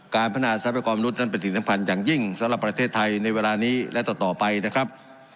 การพัฒนาทรัพยากรมนุษย์นั้นเป็นสิ่งสำคัญอย่างยิ่งสำหรับประเทศไทยในเวลานี้และต่อไปนะครับ